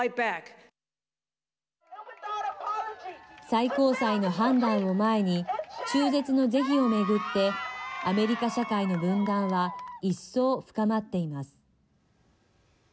最高裁の判断を前に中絶の是非を巡ってアメリカ社会の分断は一層深まっています。